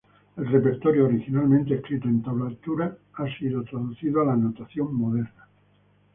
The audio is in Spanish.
El repertorio originalmente escrito en tablatura ha sido traducido a la notación moderna.